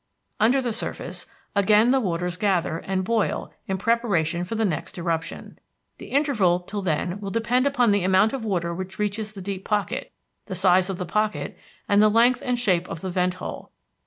Under the surface, again the waters gather and boil in preparation for the next eruption. The interval till then will depend upon the amount of water which reaches the deep pocket, the size of the pocket, and the length and shape of the vent hole.